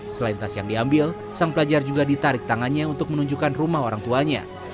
selain tas yang diambil sang pelajar juga ditarik tangannya untuk menunjukkan rumah orang tuanya